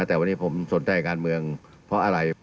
แต่วันนี้ผมสนใจการเมืองเพราะอะไร